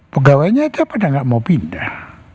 pegawainya itu pada gak mau pindah